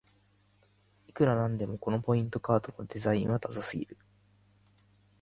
いくらなんでもこのポイントカードのデザインはダサすぎる